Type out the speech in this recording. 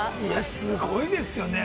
すごいですよね。